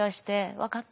「分かった。